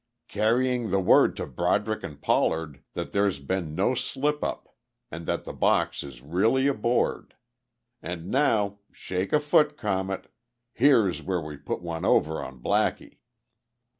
"Carrying the word to Broderick and Pollard that there's been no slip up and that the box is really aboard. And now.... Shake a foot, Comet; here's where we put one over on Blackie."